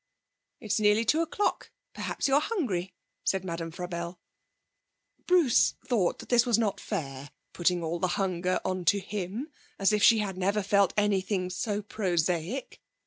'It's nearly two o'clock. Perhaps you're hungry,' said Madame Frabelle. Bruce thought this was not fair, putting all the hunger on to him, as if she had never felt anything so prosaic.